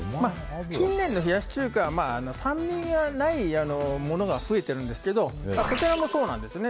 近年の冷やし中華は酸味がないものが増えているんですけどこちらもそうなんですね。